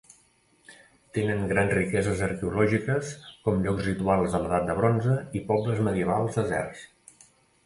Tenen grans riqueses arqueològiques, com llocs rituals de l'Edat de Bronze i pobles medievals deserts.